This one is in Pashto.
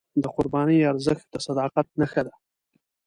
د قربانۍ ارزښت د صداقت نښه ده.